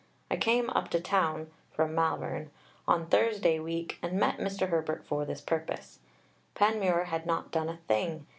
I came up to town [from Malvern] on Thursday week and met Mr. Herbert for this purpose. Panmure had not done a thing.